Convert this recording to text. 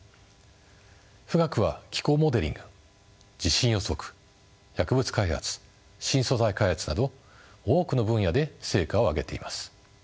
富岳は気候モデリング地震予測薬物開発新素材開発など多くの分野で成果を上げています。